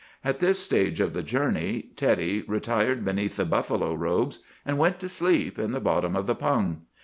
At this stage of the journey Teddy retired beneath the buffalo robes, and went to sleep in the bottom of the pung.